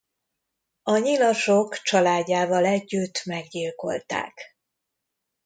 A nyilasok családjával együtt meggyilkolták.